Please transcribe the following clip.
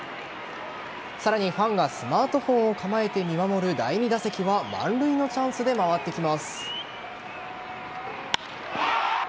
さらにファンがスマートフォンを構えて見守る第２打席は満塁のチャンスで回ってきます。